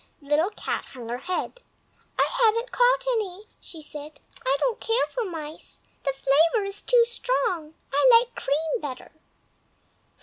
Little Cat hung her head. "I haven't caught any," she said. "I don't care for mice, the flavor is too strong; I like cream better."